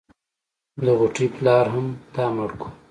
د غوټۍ پلار هم تا مړ کو.